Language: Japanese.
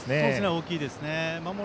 大きいですね。